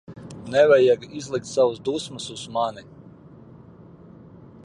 Nevajag izlikt savas dusmas uz mani.